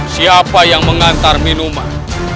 siapa yang mengantar minuman